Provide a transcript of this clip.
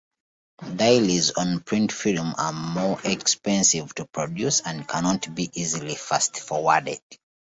Dailies on print film are more expensive to produce and cannot be easily fast-forwarded.